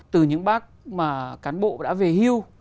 từ những bác mà cán bộ đã về hưu